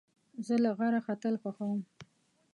زه له غره ختل خوښوم.